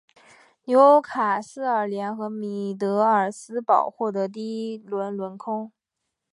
纽卡斯尔联和米德尔斯堡获得第一轮轮空。